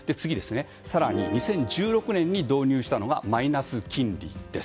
更に、２０１６年に導入したのがマイナス金利です。